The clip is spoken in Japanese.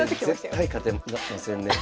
絶対勝てませんね。